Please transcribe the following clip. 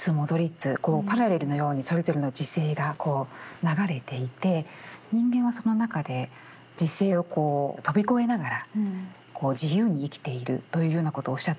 パラレルのようにそれぞれの時世が流れていて人間はその中で時世を飛び越えながら自由に生きているというようなことをおっしゃっているのかなと思いました。